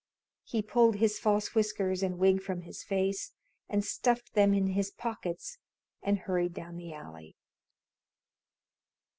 He pulled his false whiskers and wig from his face and stuffed them in his pockets and hurried down the alley.